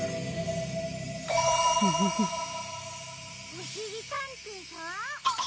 おしりたんていさん？